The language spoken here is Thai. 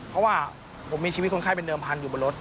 เพราะว่าผมมีชีวิตคนไข้เป็นเดิมพันธุอยู่บนรถ